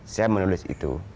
saya menulis itu